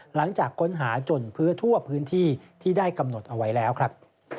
หลังจากค้นหาจนพื้นทั่วพื้นที่ที่ได้กำหนดเอาไว้แล้วครับ